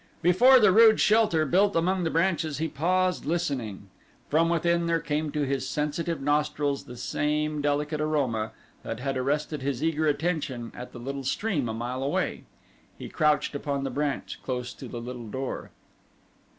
Before the rude shelter built among the branches he paused listening. From within there came to his sensitive nostrils the same delicate aroma that had arrested his eager attention at the little stream a mile away. He crouched upon the branch close to the little door.